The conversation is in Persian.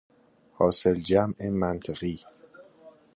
حاصل جمع منطقی